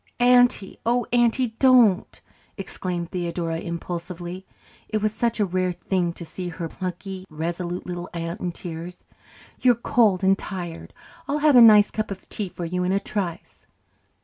"Auntie oh, Auntie, don't!" exclaimed Theodora impulsively. It was such a rare thing to see her plucky, resolute little aunt in tears. "You're cold and tired I'll have a nice cup of tea for you in a trice."